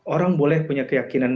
orang boleh punya keyakinan